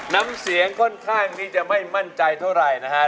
น้ำเสียงค่อนข้างที่จะไม่มั่นใจเท่าไหร่นะฮะ